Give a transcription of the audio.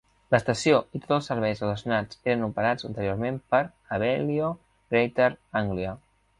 L'estació i tots els serveis relacionats eren operats anteriorment per Abellio Greater Anglia.